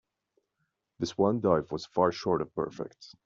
The swan dive was far short of perfect.